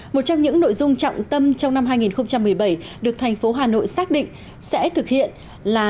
một trong những nội dung trọng tâm trong năm hai nghìn một mươi bảy được thành phố hà nội xác định sẽ thực hiện là